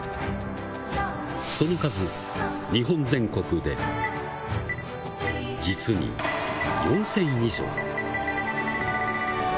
その数、日本全国で、実に４０００以上。